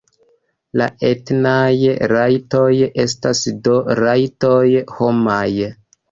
La etnaj rajtoj estas do rajtoj homaj.